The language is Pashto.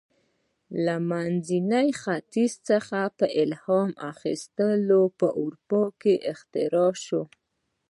له منځني ختیځ څخه په الهام اخیستو په اروپا کې اختراع شوه.